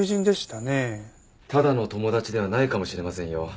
ただの友達ではないかもしれませんよ。